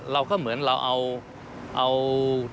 เราก็เหมือนเราเอา